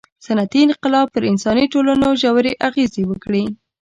• صنعتي انقلاب پر انساني ټولنو ژورې اغېزې وکړې.